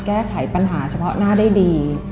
แก้ไขปัญหาเฉพาะหน้าได้ดี